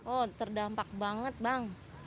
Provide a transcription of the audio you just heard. oh terdampak banget bang